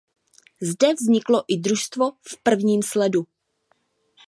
Zde vzniklo i Družstvo v prvním sledu.